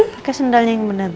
pakai sendalnya yang bener